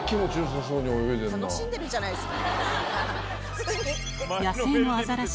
楽しんでるじゃないですか。